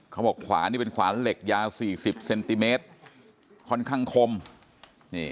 เขาบอกขวานนี่เป็นขวานเหล็กยา๔๐เซนติเมตรค่อนข้างคมนี่